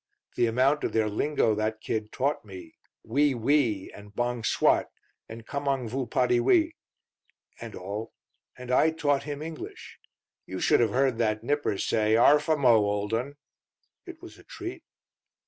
The amount of their lingo that kid taught me 'We, we' and 'Bong swot' and 'Commong voo potty we' and all and I taught him English. You should have heard that nipper say ''Arf a mo', old un!' It was a treat.